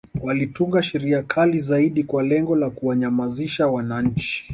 Walitunga Sheria kali zaidi kwa lengo la kuwanyamanzisha wananchi